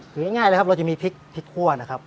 คือง่ายเลยครับเราจะมีพริกคั่วนะครับ